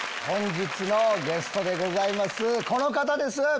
本日のゲストでございますこの方です！